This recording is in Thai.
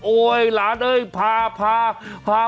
โอ้ยหลานเอ้ยพาไปหน่อย